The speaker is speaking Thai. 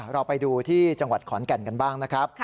เราไปดูที่จังหวัดขอนแก่นกันบ้างนะครับ